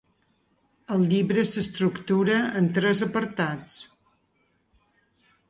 El llibre s’estructura en tres apartats.